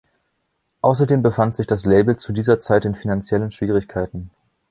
Außerdem befand sich das Label zu dieser Zeit in finanziellen Schwierigkeiten.